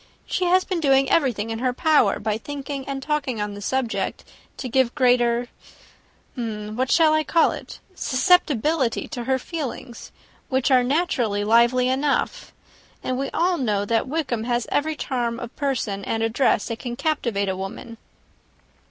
She has been doing everything in her power, by thinking and talking on the subject, to give greater what shall I call it? susceptibility to her feelings; which are naturally lively enough. And we all know that Wickham has every charm of person and address that can captivate a woman."